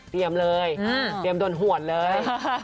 เตรียมเลยเตรียมโดนหวดเลย